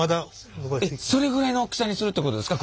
それぐらいの大きさにするってことですか？